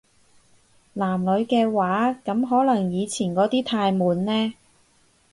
男女嘅話，噉可能以前嗰啲太悶呢